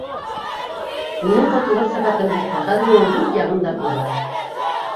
Минең ҡотолор сәғәтем һуҡты, хәҙер минең дүрт яғым да ҡибла.